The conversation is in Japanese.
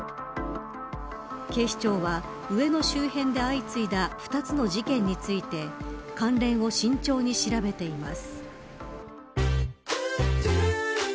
警視庁は、上野周辺で相次いだ２つの事件について関連を慎重に調べています。